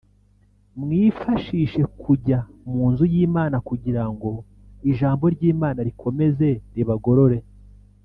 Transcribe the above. mwifashishe kujya mu nzu y'Imana kugira ngo Ijambo ry'Imana rikomeze ribagorore